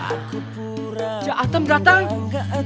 aku pura pura gak tau